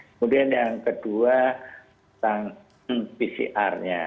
kemudian yang kedua tentang pcr nya